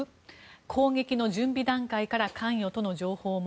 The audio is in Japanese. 攻撃の準備段階から関与との情報も。